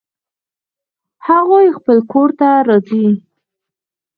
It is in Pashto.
هغوی خپل کور ته راځي